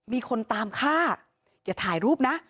มีคนตามฆ่าอย่าถ่ายรูปนะ